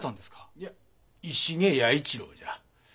いや石毛弥一郎じゃ。